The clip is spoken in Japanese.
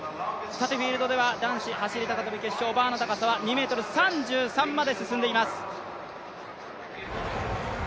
フィールドでは男子走高跳決勝バーの高さは２ｍ３３まで進んでいます。